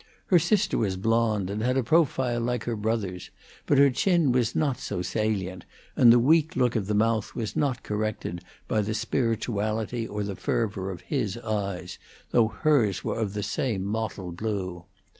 Her sister was blonde, and had a profile like her brother's; but her chin was not so salient, and the weak look of the mouth was not corrected by the spirituality or the fervor of his eyes, though hers were of the same mottled blue.